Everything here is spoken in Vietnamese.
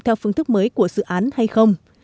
theo phương thức mới của dự án hay không